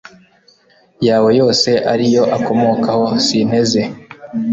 yawe yose ariyo akomokaho, sinteze